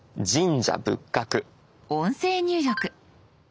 音声入力。